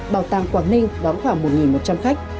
bảo tàng quảng ninh đón khoảng một một trăm linh khách